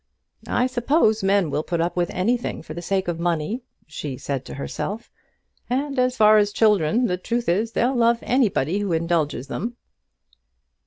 "I suppose men will put up with anything for the sake of money," she said to herself; "and as for children, the truth is, they'll love anybody who indulges them."